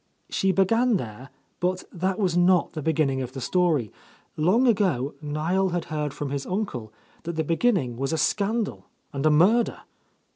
She began there, but that was not the begin ning of the story; long ago Niel had heard from his uncle that the beginning was a scandal and a murder.